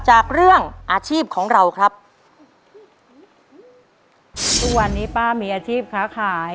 จากเรื่องอาชีพของเราครับทุกวันนี้ป้ามีอาชีพค้าขาย